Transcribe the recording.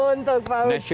untuk pak ucu